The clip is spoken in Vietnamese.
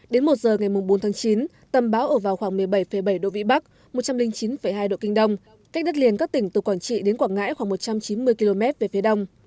đến một giờ ngày bốn tháng chín tâm bão ở vào khoảng một mươi bảy bảy độ vĩ bắc một trăm linh chín hai độ kinh đông cách đất liền các tỉnh từ quảng trị đến quảng ngãi khoảng một trăm chín mươi km về phía đông